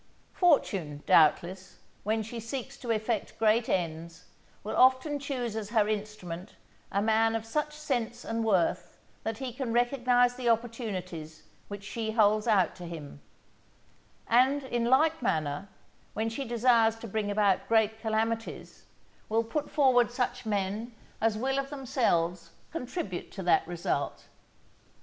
Fortune, doubtless, when she seeks to effect great ends, will often choose as her instrument a man of such sense and worth that he can recognize the opportunities which she holds out to him; and, in like manner, when she desires to bring about great calamities, will put forward such men as will of themselves contribute to that result.